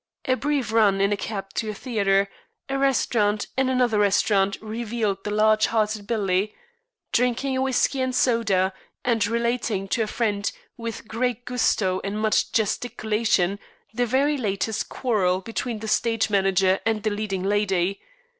A brief run in a cab to a theatre, a restaurant, and another restaurant, revealed the large hearted Billy, drinking a whisky and soda and relating to a friend, with great gusto and much gesticulation, the very latest quarrel between the stage manager and the leading lady.